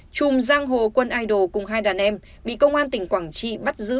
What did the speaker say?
chùm giang hồ quân idol cùng hai đàn em bị công an tỉnh quảng trị bắt giữ